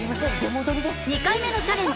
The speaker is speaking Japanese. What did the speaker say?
２回目のチャレンジ